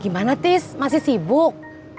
gimana tis masih sibuk